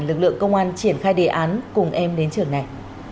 lực lượng công an triển khai đề án cùng em đến trường này